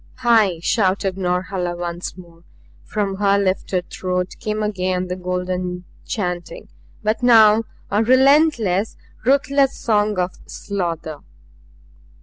"HAI!" shouted Norhala once more. From her lifted throat came again the golden chanting but now a relentless, ruthless song of slaughter.